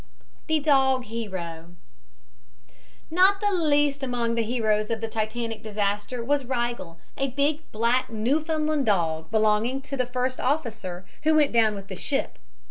THE DOG HERO Not the least among the heroes of the Titanic disaster was Rigel, a big black Newfoundland dog, belonging to the first officer, who went down with the ship.